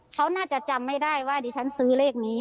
เขาน่าจะจำไม่ได้ว่าดิฉันซื้อเลขนี้